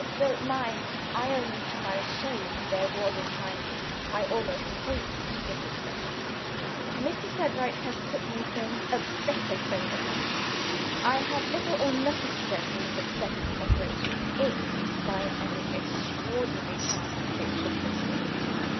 "Though, mind, I own to my shame there was a time when I almost hoped it would fail. Mr. Sebright has put me in a better frame of mind. I have little or nothing to dread from the success of the operation if, by any extraordinary chance, it should succeed.